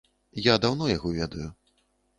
Я даўно яго ведаю.